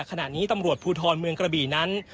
ขณะนี้ตำรวจภูทรเมืองกระบี่นั้น